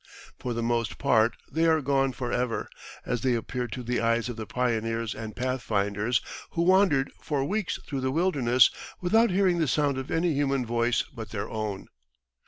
For the most part they are gone for ever, as they appeared to the eyes of the pioneers and pathfinders, who wandered for weeks through the wilderness, without hearing the sound of any human voice but their own.